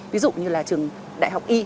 ví dụ như là trường đại học y